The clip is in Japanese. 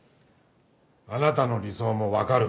あなたの理想もわかる。